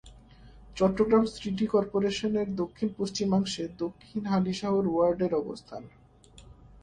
Chittagong city কর্পোরেশনের দক্ষিণ-পশ্চিমাংশে দক্ষিণ হালিশহর ওয়ার্ডের অবস্থান।